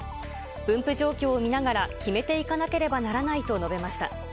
分布状況を見ながら、決めていかなければならないと述べました。